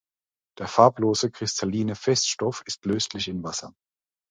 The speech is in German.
Der farblose, kristalline Feststoff ist löslich in Wasser.